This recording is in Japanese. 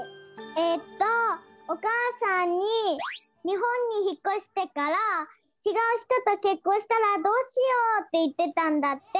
えっとおかあさんに日本にひっこしてからちがう人と結婚したらどうしよう？っていってたんだって。